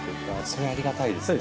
それありがたいですね。